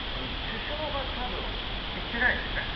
首相が行ってないですよね。